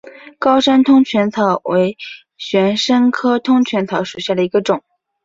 高山通泉草为玄参科通泉草属下的一个种。